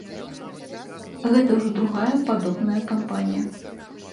Гэта ўжо другая падобная кампанія.